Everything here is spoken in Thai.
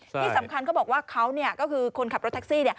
ที่สำคัญเขาบอกว่าเขาคือคนขับรถแท็กซี่